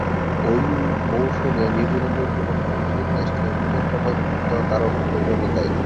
ঐ মৌসুমে নিউজিল্যান্ডের বিপক্ষে অনুষ্ঠিত টেস্টে বিতর্কময় ভূমিকাও তার অবসরের জন্য দায়ী।